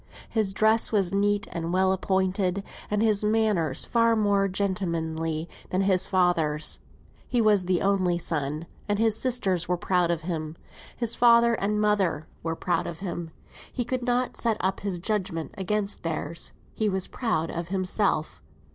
His dress was neat and well appointed, and his manners far more gentlemanly than his father's. He was the only son, and his sisters were proud of him; his father and mother were proud of him: he could not set up his judgment against theirs; he was proud of himself.